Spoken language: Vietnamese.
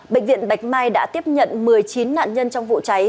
bệnh viện bạch mai đã tiếp nhận một mươi chín nạn nhân trong vụ cháy